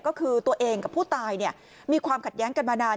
ก็คือตัวเองกับผู้ตายมีความขัดแย้งกันมานาน